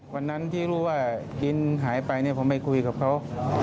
วันนั้นที่รู้ว่ากินหายไปผมไปคุยกับเขา